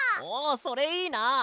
おおそれいいな！